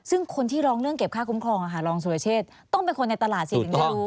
ซึ่งคนที่ร้องเรื่องเก็บค่าคุ้มครองรองสุรเชษต้องเป็นคนในตลาดสิถึงจะรู้